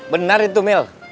benar itu mil